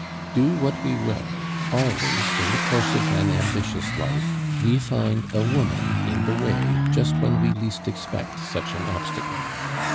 Do what we will, always, in the course of an ambitious life, we find a woman in the way just when we least expect such an obstacle.